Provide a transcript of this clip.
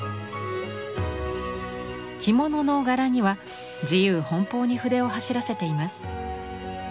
着物の柄には自由奔放に筆を走らせています。